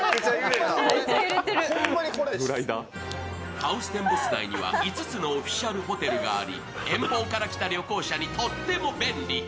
ハウステンボス内には５つのオフィシャルホテルがあり遠方から来た旅行者にとっても便利。